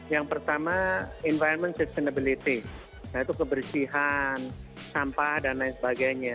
yang pertama environment sustainability yaitu kebersihan sampah dan lain sebagainya